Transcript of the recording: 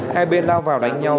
hai bên lao vào đánh nhau